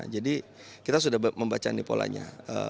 jadi kita sudah membaca polanya